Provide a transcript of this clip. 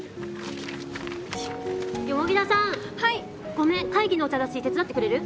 ごめん会議のお茶出し手伝ってくれる？